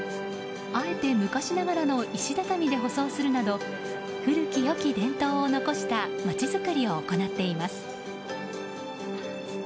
あえて昔ながらの石畳で舗装するなど古き良き伝統を残した街づくりを行っています。